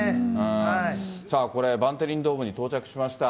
さあ、これ、バンテリンドームに到着しました。